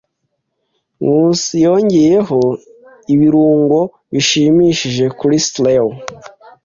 Nkusi yongeyeho ibirungo bishimishije kuri stew.